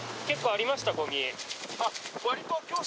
結構ありました？